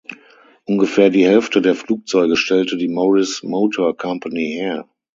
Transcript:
Ungefähr die Hälfte der Flugzeuge stellte die Morris Motor Company her.